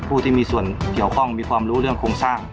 ผู้ที่มีส่วนเกี่ยวข้องบุติเรื่องโครงสร้าง